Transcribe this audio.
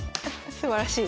すばらしい。